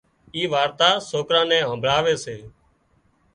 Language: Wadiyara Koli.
اي وارتا سوڪران نين همڀۯاوي سي